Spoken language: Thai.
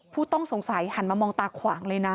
ผู้ต้องสงสัยหันมามองตาขวางเลยนะ